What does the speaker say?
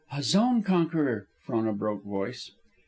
"A zone conqueror," Frona broke voice.